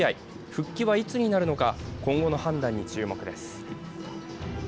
復帰はいつになるのか、今後の判断に注目です。